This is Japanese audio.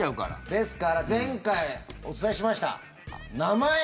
ですから前回お伝えしました、名前。